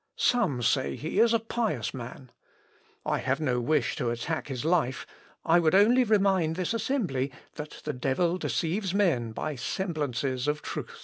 Some say he is a pious man ... I have no wish to attack his life, I would only remind this assembly that the devil deceives men by semblances of truth."